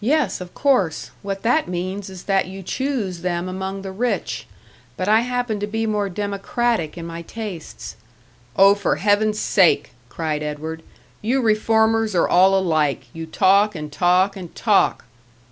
"Yes, of course. What that means is that you choose them among the rich. But I happen to be more democratic in my tastes " "Oh, for heaven's sake!" cried Edward. "You reformers are all alike you talk and talk and talk!"